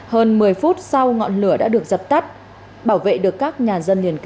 hơn một mươi phút sau ngọn lửa đã được dập tắt bảo vệ được các nhà dân liền kế